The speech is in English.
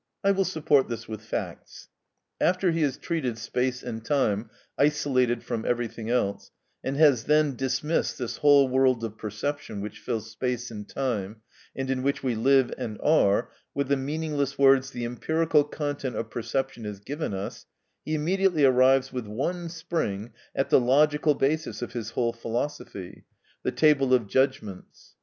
I will support this with facts. After he has treated space and time isolated from everything else, and has then dismissed this whole world of perception which fills space and time, and in which we live and are, with the meaningless words "the empirical content of perception is given us," he immediately arrives with one spring at the logical basis of his whole philosophy, the table of judgments.